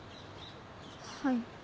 はい。